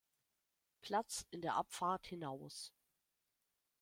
Platz in der Abfahrt hinaus.